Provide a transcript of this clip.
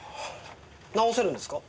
直せるんですか？